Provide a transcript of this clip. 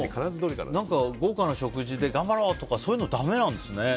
豪華な食事で頑張ろうとかそういうの、だめなんですね。